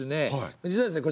実はですね